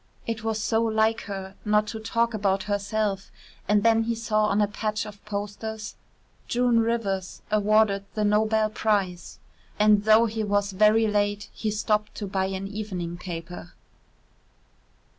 It was so like her not to talk about herself, and then he saw on a patch of posters: "June Rivers awarded the Nobel prize," and though he was very late he stopped to buy an evening paper.